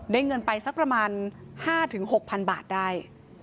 เงินไปสักประมาณ๕๖๐๐๐บาทได้